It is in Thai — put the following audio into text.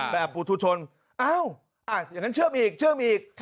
แบบปุถุชนเอ้าอย่างนั้นเชื่อมอีก